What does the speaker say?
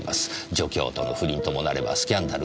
助教との不倫ともなればスキャンダルは免れません。